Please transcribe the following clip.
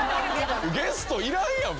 ゲストいらんやん